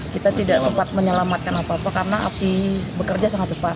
kita tidak sempat menyelamatkan apa apa karena api bekerja sangat cepat